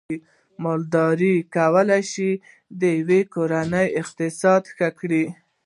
مالداري کولای شي د یوې کورنۍ اقتصاد ښه کړي